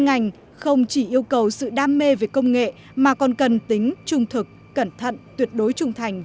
ngành không chỉ yêu cầu sự đam mê về công nghệ mà còn cần tính trung thực cẩn thận tuyệt đối trung thành